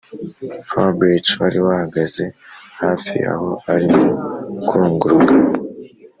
fabric wari wahagaze hafi aho arimo kurunguruka